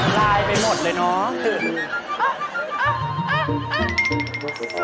ลายไปหมดเลยเนาะ